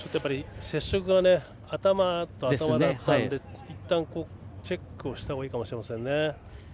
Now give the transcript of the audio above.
接触が頭と頭だったのでいったんチェックしたほうがいいかもしれません。